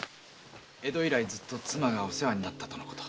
江戸以来ずっと妻がお世話になったとのこと。